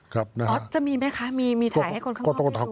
ค่ะจะมีไหมคะมีถ่ายให้คนข้างนอกไปดู